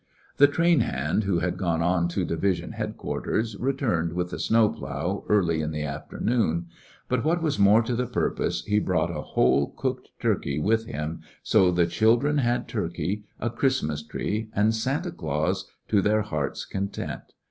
The train hand who had gone on to division headquarters returned with the snow plough early in the afternoon, but, what was more to the purpose, he brought a whole cooked turkey with him, so the children had turkey, a Christmas tree, and Santa Claus to their heart's content.